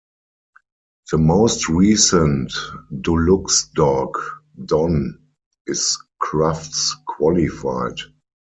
The most recent Dulux Dog, Don, is Crufts Qualified.